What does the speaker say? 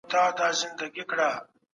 موږ باید د حق د بریا دپاره کار وکړو.